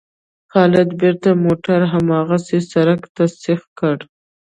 خالد بېرته موټر هماغه سړک ته سیخ کړ.